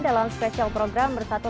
dalam special program bersatu